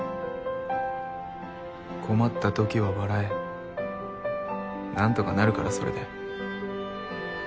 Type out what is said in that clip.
困ったときは笑え何とかなるからそれで。